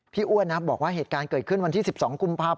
อ้วนนะบอกว่าเหตุการณ์เกิดขึ้นวันที่๑๒กุมภาพ